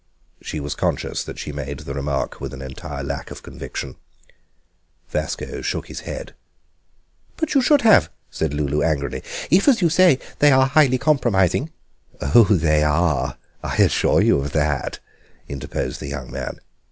She was conscious that she made the remark with an entire lack of conviction. Vasco shook his head. "But you should have," said Lulu angrily; "if, as you say, they are highly compromising—" "Oh, they are, I assure you of that," interposed the young man.